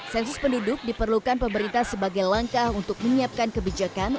sensus penduduk diperlukan pemerintah sebagai langkah untuk menyiapkan kebijakan